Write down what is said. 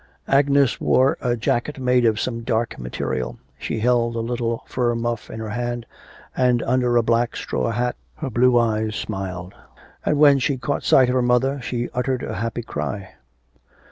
Agnes wore a jacket made of some dark material, she held a little fur muff in her hand, and under a black straw hat her blue eyes smiled; and when she caught sight of her mother she uttered a happy cry.